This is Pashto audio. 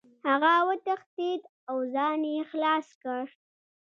هغه وتښتېد او ځان یې خلاص کړ.